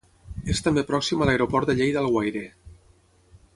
És també pròxim a l'Aeroport de Lleida-Alguaire.